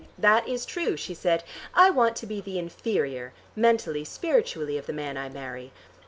"That is true," she said. "I want to be the inferior, mentally, spiritually, of the man I marry.